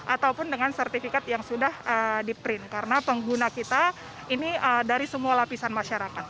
ataupun dengan sertifikat yang sudah di print karena pengguna kita ini dari semua lapisan masyarakat